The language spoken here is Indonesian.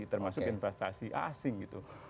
termasuk investasi asing gitu